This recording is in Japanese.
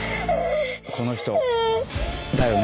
この人だよね？